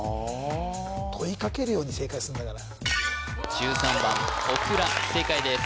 ええ問いかけるように正解するんだから１３番オクラ正解です